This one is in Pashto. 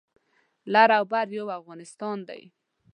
لر او بر یو افغانستان دی